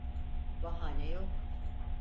Bahane yok.